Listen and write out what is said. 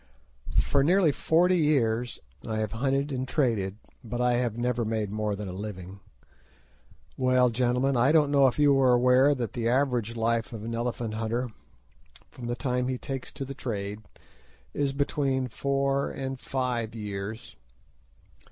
For nearly forty years I have hunted and traded, but I have never made more than a living. Well, gentlemen, I don't know if you are aware that the average life of an elephant hunter from the time he takes to the trade is between four and five years.